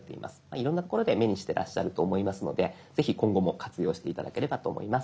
いろんな所で目にしてらっしゃると思いますのでぜひ今後も活用して頂ければと思います。